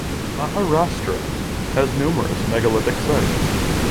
Maharashtra has numerous megalithic sites.